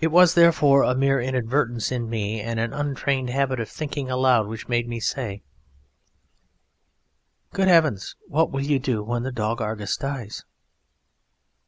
It was therefore a mere inadvertence in me, and an untrained habit of thinking aloud, which made me say: "Good Heavens, what will you do when the dog Argus dies?"